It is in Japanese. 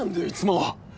いつも。